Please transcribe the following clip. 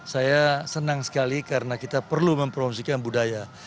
saya senang sekali karena kita perlu mempromosikan budaya